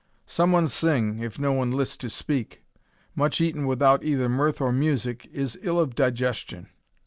Some one sing, if no one list to speak. Much eaten without either mirth or music is ill of digestion.